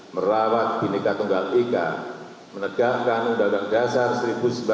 merawat bineka tunggal ika menegakkan undang undang dasar seribu sembilan ratus empat puluh lima